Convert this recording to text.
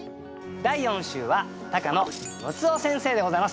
第４週は高野ムツオ先生でございます。